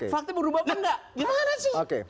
fakta berubah apa nggak gimana sih